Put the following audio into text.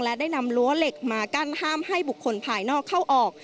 และได้นำรั้วเหล็กมากั้นห้ามให้บุคคลภายนอกเข้าออก